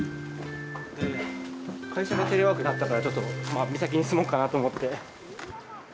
会社がテレワークになったからちょっと三崎に住もうかなと思って。